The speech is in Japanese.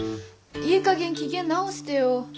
いいかげん機嫌直してよ。